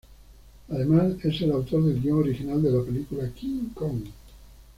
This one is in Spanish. Además es el autor del guion original de la película "King-Kong".